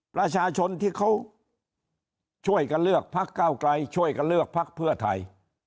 ประชาชนที่เขาช่วยกันเลือกพักเก้าไกลช่วยกันเลือกพักเพื่อไทย